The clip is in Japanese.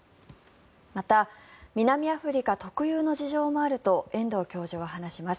また、南アフリカ特有の事情もあると遠藤教授は話します。